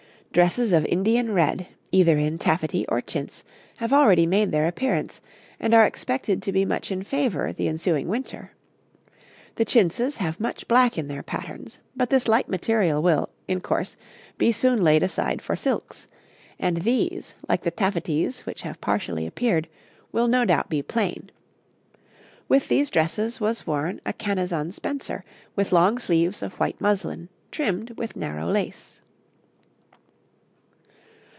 Dresses of Indian red, either in taffety or chintz, have already made their appearance, and are expected to be much in favour the ensuing winter; the chintzes have much black in their patterns; but this light material will, in course, be soon laid aside for silks, and these, like the taffeties which have partially appeared, will no doubt be plain: with these dresses was worn a Canezon spencer, with long sleeves of white muslin, trimmed with narrow lace.